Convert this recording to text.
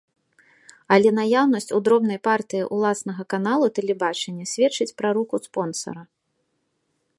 Але наяўнасць у дробнай партыі ўласнага каналу тэлебачання сведчыць пра руку спонсара.